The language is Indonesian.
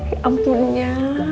ya ampun ya